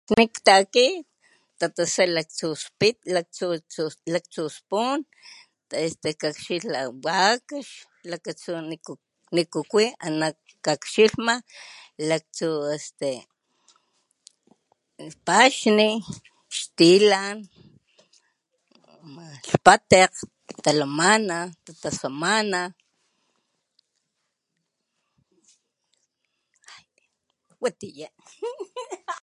Akxni ktaki tatasa laktsu spit laktsu tsu tsu spun este kakxila wakax lakatsu niku kwi ana kakxilhma laktsu este paxni, xtilan ama lhpatekg, talamana, tatasamana watiya. Tsiyan.